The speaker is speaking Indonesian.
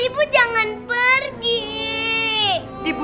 banget sih ibu